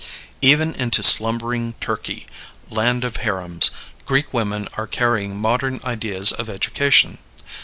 Even into slumbering Turkey, land of harems, Greek women are carrying modern ideas of education.